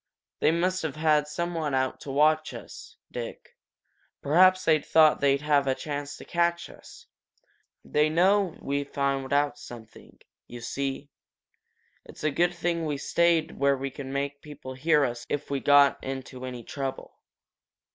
"They must have had some one out to watch us, Dick perhaps they thought they'd have a chance to catch us. They know that we've found out something, you see! It's a good thing we stayed where we could make people hear us if we got into any trouble."